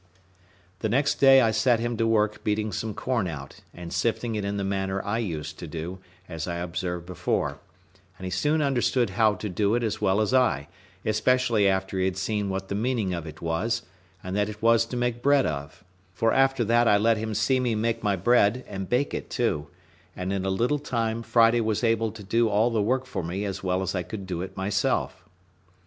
The next day I set him to work beating some corn out, and sifting it in the manner I used to do, as I observed before; and he soon understood how to do it as well as I, especially after he had seen what the meaning of it was, and that it was to make bread of; for after that I let him see me make my bread, and bake it too; and in a little time Friday was able to do all the work for me as well as I could do it myself.